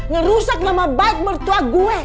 ngerusak nama baik mertua gue